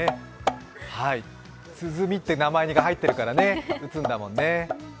鼓って名前が入ってるから打つんだもんね。